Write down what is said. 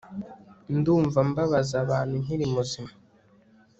ndumva mbabaza abantu nkiri muzima